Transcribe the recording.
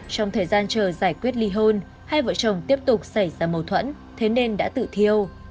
trong thời gian chờ giải quyết ly hôn hai vợ chồng tiếp tục xảy ra mâu thuẫn thế nên đã tự thiêu